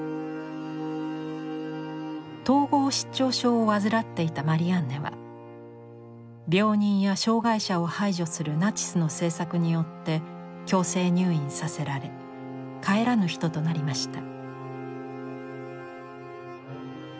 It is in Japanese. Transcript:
統合失調症を患っていたマリアンネは病人や障がい者を排除するナチスの政策によって強制入院させられ帰らぬ人となりました。